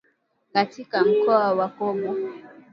Katika mkoa wa Kobu.